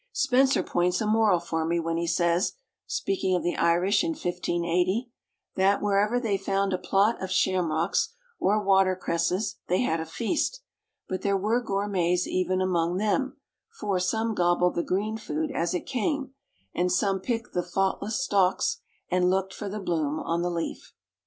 Spenser points a moral for me when he says, speaking of the Irish in 1580, "That wherever they found a plot of shamrocks or water cresses they had a feast;" but there were gourmets even among them, for "some gobbled the green food as it came, and some picked the faultless stalks, and looked for the bloom on the leaf."